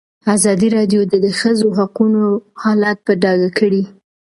ازادي راډیو د د ښځو حقونه حالت په ډاګه کړی.